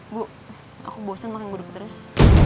bu aku bosen makan grup terus